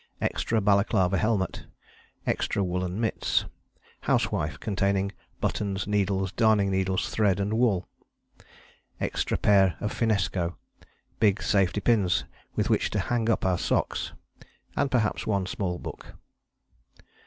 Extra balaclava helmet. Extra woollen mitts. Housewife containing buttons, needles, darning needles, thread and wool. Extra pair of finnesko. Big safety pins with which to hang up our socks. And perhaps one small book.